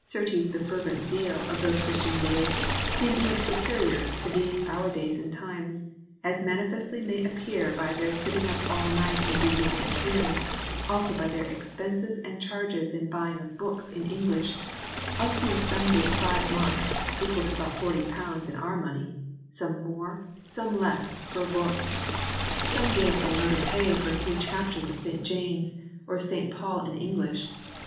Certes the fervent zeal of those Christian days seemed much superior to these our days and times; as manifestly may appear by their sitting up all night in reading and hearing ; also by their expenses and charges in buying of books in English, of whom some gave five marks [equal to about 40 in our money], some more, some less, for a book : some gave a load of hay for a few chapters of B. 3 34 HISTORY OF THE ENGLISH BIBLE [OH. n St James, or of St Paul in English....